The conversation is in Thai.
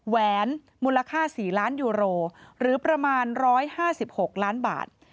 แหวนมูลค่า๔ล้านยูโรหรือประมาณ๑๕๖ล้านบาท